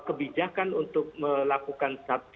kebijakan untuk memperbaiki kebudayaan masyarakat